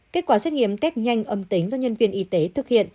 kết quả xét nghiệm test nhanh âm tính do nhân viên y tế thực hiện